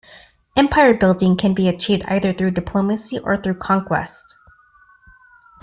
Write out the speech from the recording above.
Empire building can be achieved either through diplomacy or through conquest.